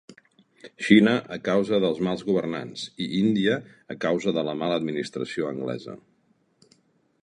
Xina a causa dels mals governants i Índia a causa de la mala administració anglesa.